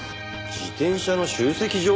自転車の集積所？